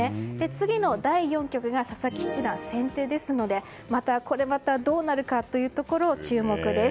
次の第４局が佐々木七段、先手ですのでこれまたどうなるかに注目です。